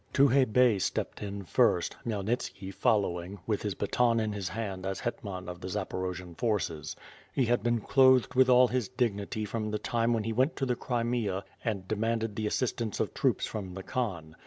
132 WITH FIRE AND SWORD. Tukhay Bey stepped in first, Khinyelnitski following, with his baton in his hand as hetman of the Zaporojian forces. He had been clothed with all his dignity fronti the time when he went to the Crimea and demanded the assistance of troops from the Khan.